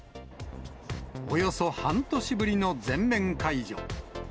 およそ半年ぶりの全面解除。